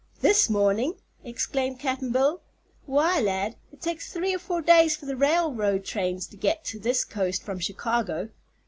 "This mornin'!" exclaimed Cap'n Bill. "Why, lad, it takes three or four days for the railroad trains to get to this coast from Chicago."